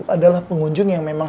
adalah pengunjung yang memang